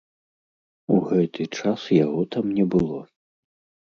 У гэты час яго там не было.